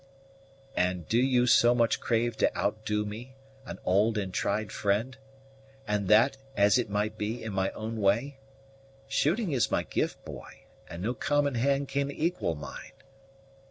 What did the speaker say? "And do you so much crave to outdo me, an old and tried friend? and that, as it might be, in my own way? Shooting is my gift, boy, and no common hand can equal mine."